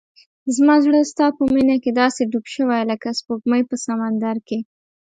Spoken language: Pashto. زما زړه ستا په مینه کې داسې ډوب شوی لکه سپوږمۍ په سمندر کې.